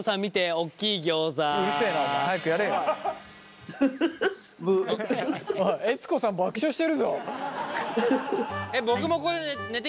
おい悦子さん爆笑してるぞ。